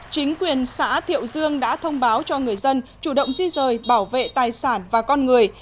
chính quyền xã thiệu dương đã thông báo cho người dân chủ động di rời bảo vệ tài sản và con người